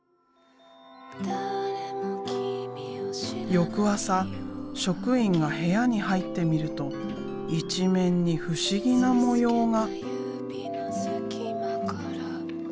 翌朝職員が部屋に入ってみると一面に不思議な模様が。